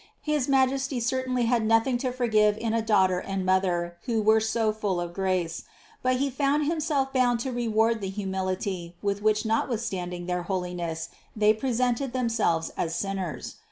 His Majesty cer tainly had nothing to forgive in a Daughter and mother, who were so full of grace ; but He found Himself bound to reward the humility, with which notwithstanding their holiness they presented themselves as sinners.